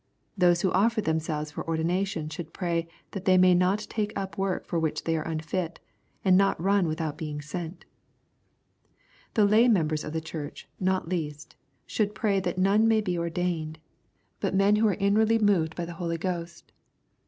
Those who offer themselves for ordi nation, should pray that they may not take up work for which they are unfit, and not run without being sent. The lay members of the Church, not least, should pray that none may be ordained, but men who are inwardly LUKE, CHAP. VI. 171 moved by the Holy Ghost.